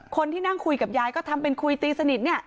คนที่นั่งคุยกับยายก็ทำเป็นคุยตีสนิทเนี่ย